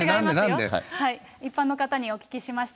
一般の方にお聞きしました。